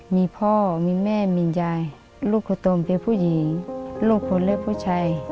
มีพ่อมีแม่มียายลูกคนโตมเป็นผู้หญิงลูกคนเล็กผู้ชาย